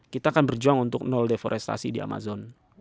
kita akan berjuang untuk nol deforestasi di amazon